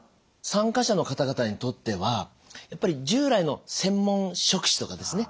参加者の方々にとってはやっぱり従来の専門職種とかですね